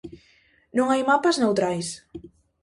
Non hai mapas neutrais.